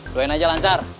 duain aja lancar